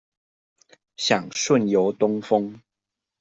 想順遊東峰